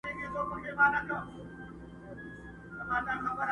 لوېدلی ستوری له مداره وځم،